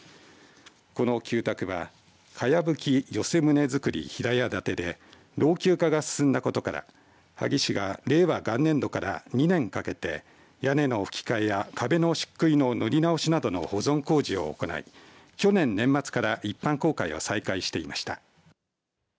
この旧宅は、かやぶき寄せ棟造り平屋建てで老朽化が進んだことから萩市は令和元年度から２年かけて屋根のふき替えや壁のしっくいの塗り直しなどの保存工事を行い去年、年末から一般公開を再開していました。